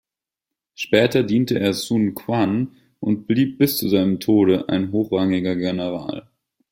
Später diente er Sun Quan und blieb bis zu seinem Tode ein hochrangiger General.